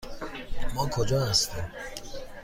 ما کجا هستیم؟